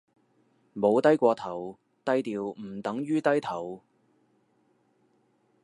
冇低過頭，低調唔等於低頭